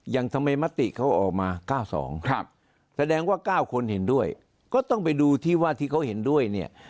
อย่างทำไมมติเขาออกมา๙๒แสดงว่า๙คนเห็นด้วยก็ต้องไปดูที่ว่าที่เขาเห็นด้วยเนี่ย